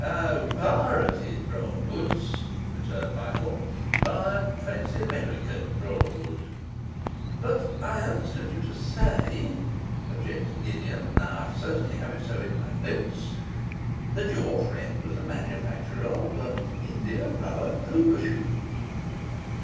'O, pirated Broadwoods,' returned Michael. 'My friend's the American Broadwood.' 'But I understood you to say,' objected Gideon, 'I certainly have it so in my notes that your friend was a manufacturer of india rubber overshoes.